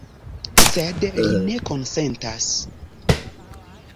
Sed li ne konsentas.